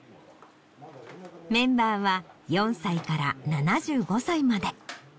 メンバーは４歳から７５歳まで。